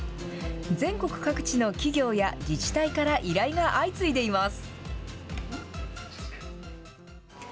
全国各地の企業や自治体から依頼が相次いでいます。